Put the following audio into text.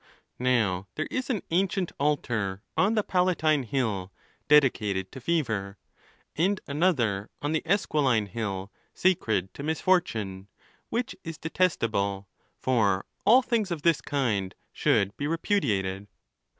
Now there is an ancient altar on the Palatine hill dedicated to Fever, and another on the Esquiline hill sacred to Misfortune, which is detestable, for all things of this kind should be repudiated.